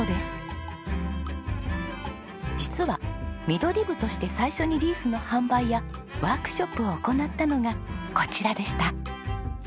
実はミドリブとして最初にリースの販売やワークショップを行ったのがこちらでした。